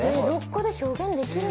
６個で表現できるんだ。